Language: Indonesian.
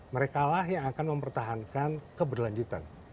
merekalah yang akan mempertahankan keberlanjutan